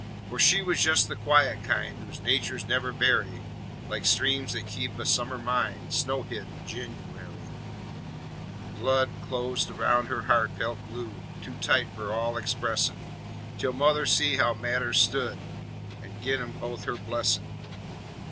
For she was jes' the quiet kind Whose naturs never vary, Like streams that keep a summer mind Snowhid in Jenooary. The blood clost roun' her heart felt glued Too tight for all expressin', Tell mother see how metters stood, An' gin 'em both her blessin'.